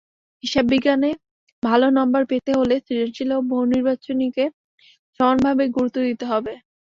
হিসাববিজ্ঞানে ভালো নম্বর পেতে হলে সৃজনশীল ও বহুনির্বাচনিকে সমানভাবে গুরুত্ব দিতে হবে।